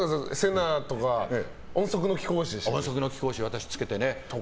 セナとか、音速の貴公子。